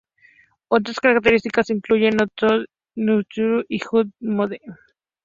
Otras características incluyen "Non-Stop Shuffle", "Shuffle Speed", "Just Sweat Mode".